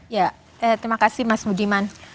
ya terima kasih mas budiman